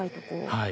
はい。